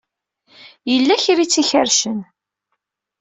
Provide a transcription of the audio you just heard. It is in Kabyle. Yella kra ay tt-ikerrcen.